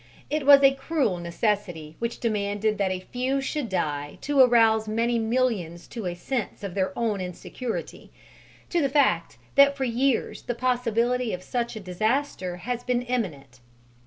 It was a cruel necessity which demanded that a few should die to arouse many millions to a sense of their own insecurity, to the fact that for years the possibility of such a disaster has been imminent.